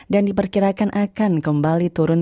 dan diperkirakan akan kembali turun